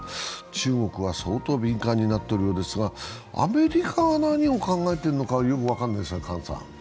中国は相当敏感になっておるようですが、アメリカは何を考えてるのかよく分からないですが。